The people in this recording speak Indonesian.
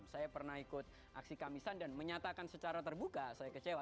saya pernah ikut aksi kamisan dan menyatakan secara terbuka saya kecewa